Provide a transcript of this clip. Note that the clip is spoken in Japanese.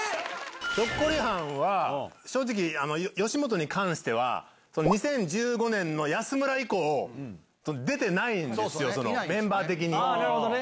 ひょっこりはんは、正直、吉本に関しては、２０１５年の安村以降、出てないんですよ、なるほどね。